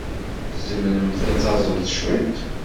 Tzemremt ad taẓemt cwiṭ?